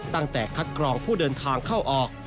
ตั้งแต่คัดกรองผู้เดินทางเข้าออก